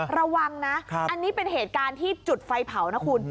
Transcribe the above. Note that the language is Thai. ระวังนะอันนี้เป็นเหตุการณ์ที่จุดไฟเผานะคุณ